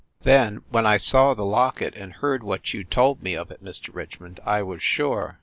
Then, when I saw the locket and heard what you told me of it, Mr. Richmond, I was sure."